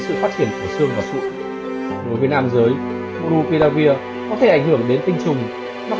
tinh trùng của xương và sụn đối với nam giới monopiravir có thể ảnh hưởng đến tinh trùng mặc